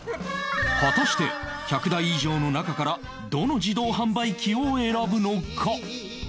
果たして１００台以上の中からどの自動販売機を選ぶのか？